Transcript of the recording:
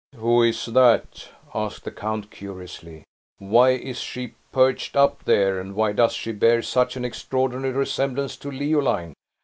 "Who is that?" asked the count, curiously. "Why is she perched up there, and why does she bear such an extraordinary resemblance to Leoline?